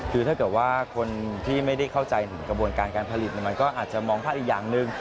คือถ้าเกิดว่าคนที่ไม่ได้เข้าใจถึงกระบวนการการผลิตมันก็อาจจะมองภาพอีกอย่างหนึ่ง